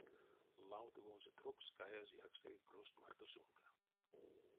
Лавтовонзо трокс каязь якстере крест марто сумка.